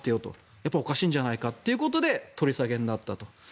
やっぱりおかしいんじゃないかということで取り下げになったと。